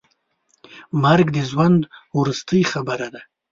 مرګ د ژوند وروستۍ خبره ده.